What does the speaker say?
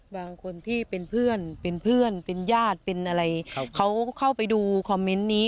บางคนที่เป็นเพื่อนเป็นเพื่อนเป็นญาติเป็นอะไรเขาเข้าไปดูคอมเมนต์นี้